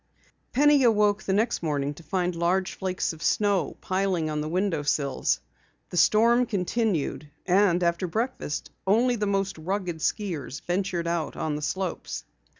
Penny awoke the next morning to find large flakes of snow piling on the window sills. The storm continued and after breakfast only the most rugged skiers ventured out on the slopes.